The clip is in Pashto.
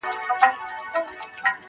پلو باد واخیست له مخه چي وړیا دي ولیدمه-